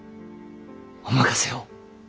お任せを。